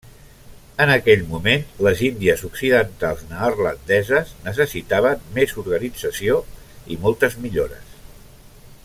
En aquell moment les Índies occidentals neerlandeses necessitaven més organització i moltes millores.